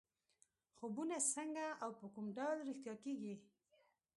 خوبونه څنګه او په کوم ډول رښتیا کېږي.